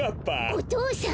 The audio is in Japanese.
お父さん！